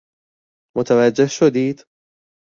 متوجه شدید؟